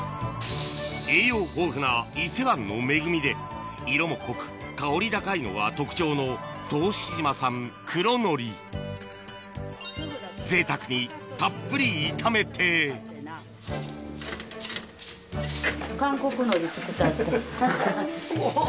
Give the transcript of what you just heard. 栄養豊富な伊勢湾の恵みで色も濃く香り高いのが特徴の答志島産黒のりぜいたくにたっぷり炒めてうわ！